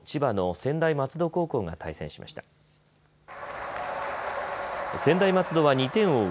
専大松戸は２点を追う